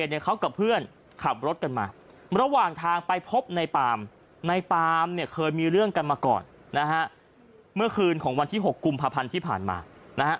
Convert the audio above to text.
เนี่ยเคยมีเรื่องกันมาก่อนนะฮะเมื่อคืนของวันที่๖กุมภพันธ์ที่ผ่านมานะฮะ